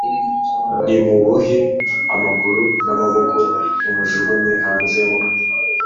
nimumubohe amaguru n amaboko mumujugunye hanze mu